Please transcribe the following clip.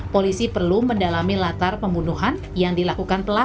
polisi perlu mendalami latar pembunuhan yang dilakukan pelaku